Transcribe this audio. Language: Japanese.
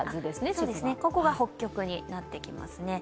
そうですね、ここが北極になってきますね。